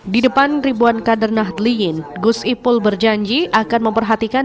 di depan ribuan kader nahdliyin gus ipul berjanji akan memperhatikan